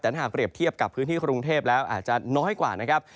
แต่ถ้าหากเรียบเทียบกับพื้นที่กรุงเทพแล้วอาจจะน้อยกว่านะครับ